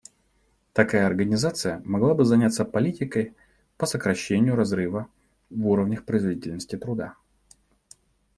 Такая организация могла бы заняться политикой по сокращение разрыва в уровнях производительности труда.